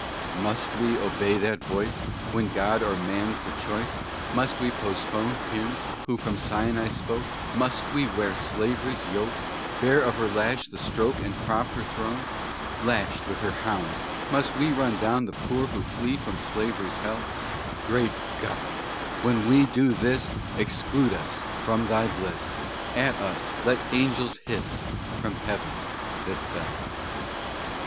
Must we obey that voice? When God or man's the choice, Must we postpone Him, who from Sinai spoke? Must we wear slavery's yoke? Bear of her lash the stroke, And prop her throne? Lashed with her hounds, must we Run down the poor who flee From Slavery's hell? Great God! when we do this Exclude us from thy bliss; At us let angels hiss From heaven that fell!